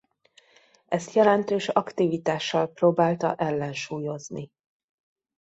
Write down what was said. Ezt jelentős aktivitással próbálta ellensúlyozni.